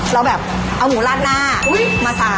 เราแบบเอาหมูลาดหน้ามาใส่